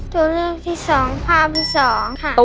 ตัวเลือกที่สองภาพที่สองค่ะ